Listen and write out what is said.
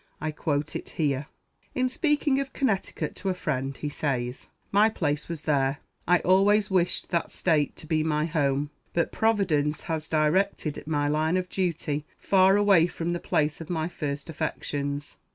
I quote it here. In speaking of Connecticut to a friend, he says, "My place was there; I always wished that state to be my home; but Providence has directed my line of duty far away from the place of my first affections."